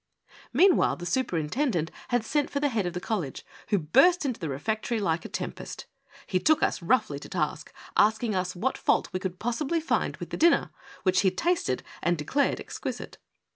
Meanwhile the superintendent had sent for the head of the college, who burst into the refectory like a tem pest. He took us roughly to task, asking us what fault we could possibly find with the dinner, which he tasted and declared exquisite.